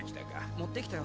持ってきたよ